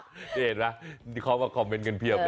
นี่เห็นไหมเขามาคอมเมนต์กันเพียบเลย